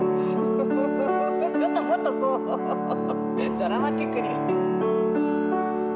ドラマチックに。